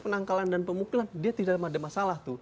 penangkalan dan pemukulan dia tidak ada masalah tuh